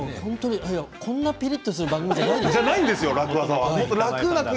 こんなにピリっとする番組じゃないですよね。